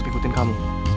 di badan kamu